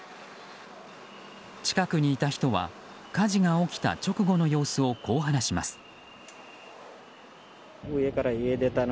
近くにいた人は火事が起きた直後の様子をこう話します。